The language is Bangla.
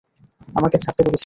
আমাকে ছাড়তে বলেছি!